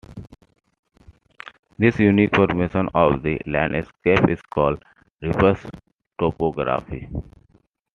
This unique formation of the landscape is called reverse topography.